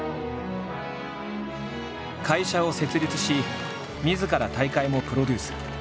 会社を設立しみずから大会もプロデュース。